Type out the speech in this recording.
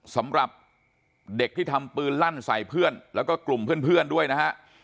สำหรับเด็กที่ทำปืนลั่นใส่เพื่อนแล้วก็กลุ่มเพื่อนด้วยนะฮะ